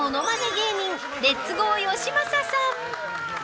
芸人レッツゴーよしまささん。